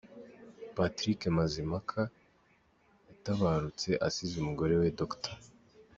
Patrick Mazimhaka yatabarutse asize umugore we Dr.